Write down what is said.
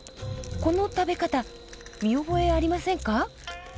この食べ方見覚えありませんか？